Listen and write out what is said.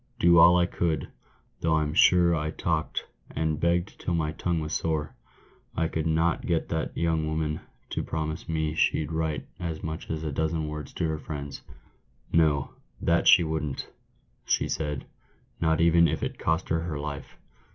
Do all I could— though I'm sure I talked, and begged till my tongue was sore — I could not get that young woman to promise me she'd write as much as a dozen words to her friends. 'No, that she wouldn't,' she said, ' not even if it cost her her life